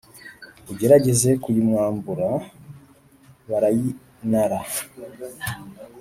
ugerageza kuyimwambura birayinara